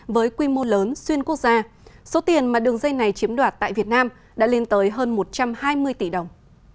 với quy mô lớn xuyên quốc gia số tiền mà đường dây này chiếm đoạt tại việt nam đã lên tới hơn một trăm hai mươi tỷ đồng